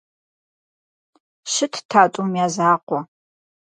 Щытт а тӀум я закъуэ.